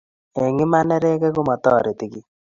eng Iman neregek komatoreti kiiy